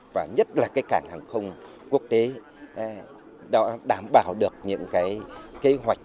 và nhất là cảng hàng không quốc tế đảm bảo được những kế hoạch